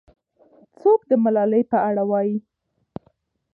څوک د ملالۍ په اړه وایي؟